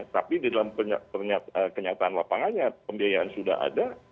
tapi di dalam kenyataan lapangannya pembiayaan sudah ada